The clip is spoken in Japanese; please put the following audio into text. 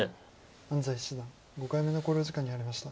安斎七段５回目の考慮時間に入りました。